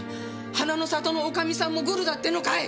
花の里の女将さんもグルだってのかい？